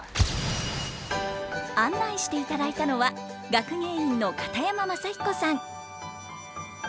案内していただいたのは学芸員の片山正彦さん。